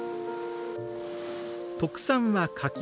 特産は柿。